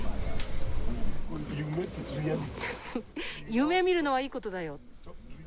「夢みるのはいいことだよ。